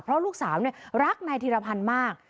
เพราะลูกสาวรักนายธีรพันธ์มาก